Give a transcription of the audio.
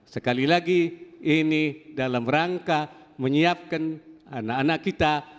sekali lagi ini dalam rangka menyiapkan anak anak kita